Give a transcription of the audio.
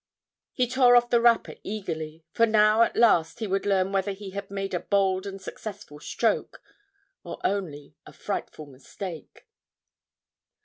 He tore off the wrapper eagerly, for now at last he would learn whether he had made a bold and successful stroke, or only a frightful mistake.